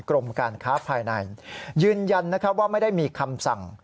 กรมการค้าภายในยืนยันว่าไม่ได้มีคำสั่ง